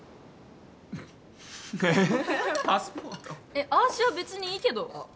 えっあーしは別にいいけどあっ